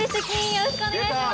よろしくお願いします。